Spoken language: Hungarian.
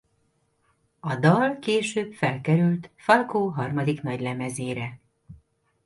A dal később felkerült Falco harmadik nagylemezére.